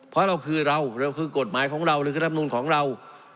เพราะเราคือเราเราคือกฎหมายของเราหรือคือรับนูลของเรา